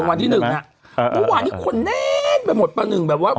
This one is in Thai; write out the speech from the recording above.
ก็ว่านี่คนแน่นไปหมดประหนึ่งแบบว่า